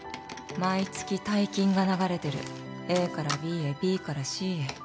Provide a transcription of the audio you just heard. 「毎月大金が流れてる」「ＡからＢへＢからＣへ」